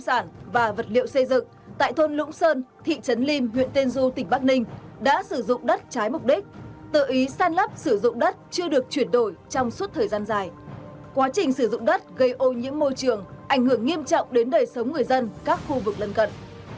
sử dụng đất gây ô nhiễm môi trường ảnh hưởng nghiêm trọng đến đời sống người dân các khu vực lân cận